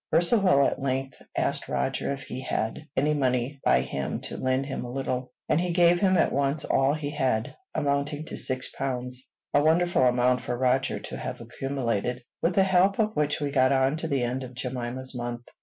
Percivale at length asked Roger if he had any money by him to lend him a little; and he gave him at once all he had, amounting to six pounds, a wonderful amount for Roger to have accumulated; with the help of which we got on to the end of Jemima's month.